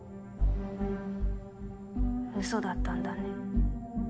ウソだったんだね。